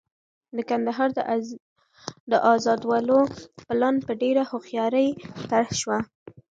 د کندهار د ازادولو پلان په ډېره هوښیارۍ طرح شو.